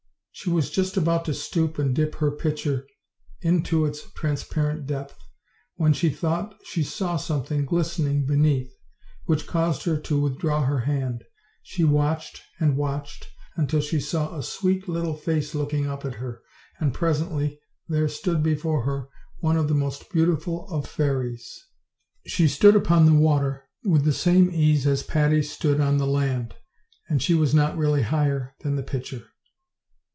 She was just about to stoop and dip her pitcher into its transparent depth, when she thought she saw something glistening beneath, which caused her to withdraw her hand. She watched and watched, until she saw a sweet little face looking up to her; and presently there stood before her one of the most beautiful of fairies. Sb.Q Patty held the pitcher so that the close could drink. Page 18. Old, Old Fairy Tales. OLD, OLD FAIRY TALES. 19 stood upon the water with the same ease as Patty stood on the land, and she was not really higher than the pitcher.